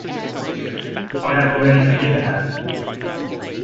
I have already forgiven her.